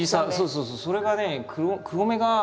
それがね黒目が。